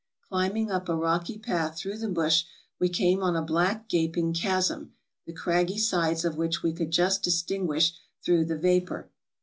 Climbing up a rocky path through the bush, we came on a black gaping chasm, the craggy sides of which we could just distinguish through the vapor.